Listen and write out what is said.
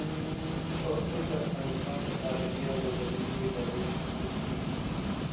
پښتو د افغانستان په تعلیمي او روزنیزو ادارو کې تدریس کېږي.